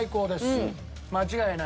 間違いない。